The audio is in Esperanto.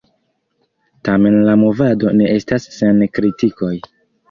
Tamen la movado ne estas sen kritikoj.